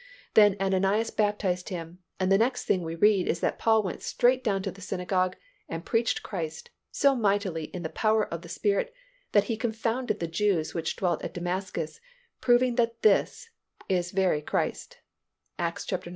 Then Ananias baptized him, and the next thing we read is that Paul went straight down to the synagogue and preached Christ so mightily in the power of the Spirit that he "confounded the Jews which dwelt at Damascus, proving that this is very Christ" (Acts ix.